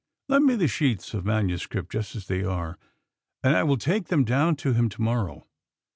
Lend me the sheets of manuscript just as they are, and I will take them down to him to morrow.